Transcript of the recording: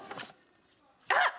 あっ！